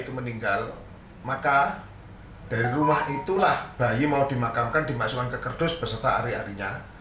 itu meninggal maka dari rumah itulah bayi mau dimakamkan dimasukkan ke kerdus beserta hari harinya